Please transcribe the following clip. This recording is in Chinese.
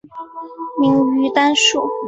明于丹术。